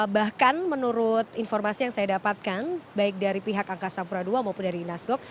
bahkan menurut informasi yang saya dapatkan baik dari pihak angkasa pura ii maupun dari inasgok